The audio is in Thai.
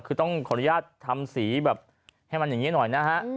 คือต้องขออนุญาตทำสีแบบให้มันอย่างนี้หน่อยนะฮะ